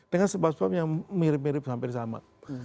dengan sebab sebab yang mirip mirip hampir sama